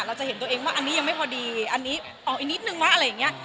เราจะเห็นตัวเองว่าอันนี้ยังไม่พอดีอันนี้ออกอีกนิดนึงวะอะไรอย่างนี้